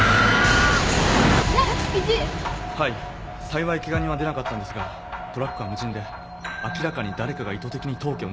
幸いケガ人は出なかったんですがトラックは無人で明らかに誰かが意図的に当家を狙った犯行かと。